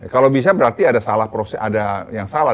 kalau bisa berarti ada yang salah